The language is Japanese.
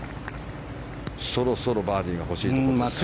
そろそろバーディーが欲しいところですね。